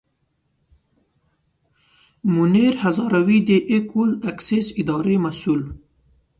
منیر هزاروي د اکول اکسیس اداري مسوول.